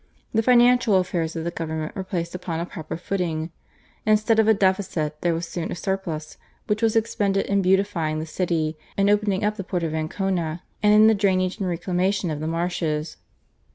The financial affairs of the government were placed upon a proper footing. Instead of a deficit there was soon a surplus, which was expended in beautifying the city, in opening up the port of Ancona, and in the drainage and reclamation of the marshes.